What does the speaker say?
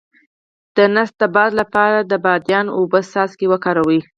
د ګیډې د باد لپاره د بادیان او اوبو څاڅکي وکاروئ